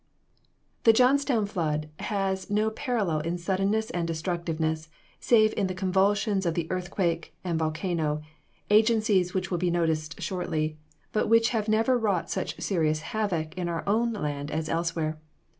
The Johnstown flood has no parallel in suddenness and destructiveness, save in the convulsions of the earthquake and volcano, agencies which will be noticed shortly, but which have never wrought such serious havoc in our own land as elsewhere.